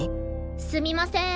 すみません。